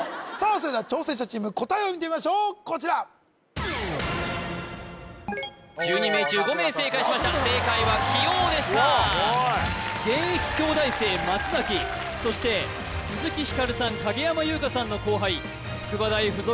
それでは挑戦者チーム答えを見てみましょうこちら１２名中５名正解しました正解は「棋王」でした現役京大生松そして鈴木光さん影山優佳さんの後輩筑波大附属